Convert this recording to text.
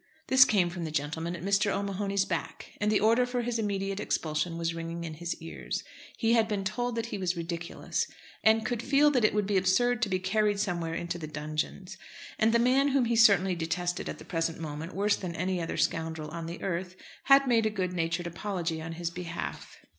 This came from the gentleman at Mr. O'Mahony's back, and the order for his immediate expulsion was ringing in his ears. He had been told that he was ridiculous, and could feel that it would be absurd to be carried somewhere into the dungeons. And the man whom he certainly detested at the present moment worse than any other scoundrel on the earth, had made a good natured apology on his behalf.